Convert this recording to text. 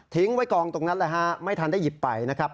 ไว้กองตรงนั้นเลยฮะไม่ทันได้หยิบไปนะครับ